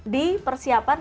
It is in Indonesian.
di persiapan kemampuan